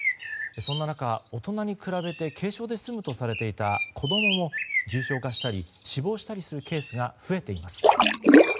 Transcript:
そんな中、大人に比べて軽症で済むとされていた子供も重症化したり死亡したりするケースが増えています。